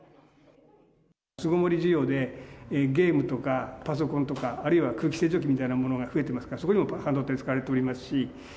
巣ごもり需要でゲームとかパソコンとか、あるいは空気清浄機みたいなものが増えてますから、そこにも半導体が使われておりますし。